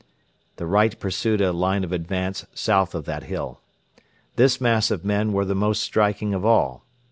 The right pursued a line of advance south of that hill. This mass of men were the most striking of all.